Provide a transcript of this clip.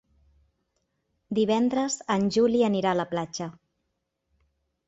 Divendres en Juli anirà a la platja.